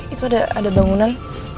itu ada bangunan